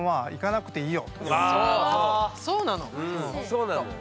そうなのよ。